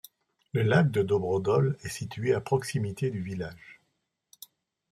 Le lac de Dobrodol est situé à proximité du village.